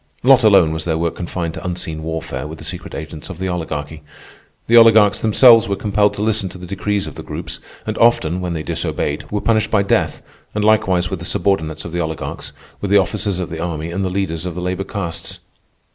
Not alone was their work confined to unseen warfare with the secret agents of the Oligarchy. The oligarchs themselves were compelled to listen to the decrees of the Groups, and often, when they disobeyed, were punished by death—and likewise with the subordinates of the oligarchs, with the officers of the army and the leaders of the labor castes.